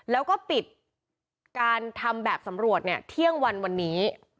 แล้วก็ปิดการทำแบบสำรวจเนี่ยเที่ยงวันวันนี้